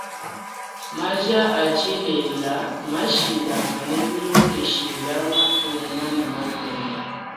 Maja a tshilela mmashilangana bilondeshela matunga ne matunga.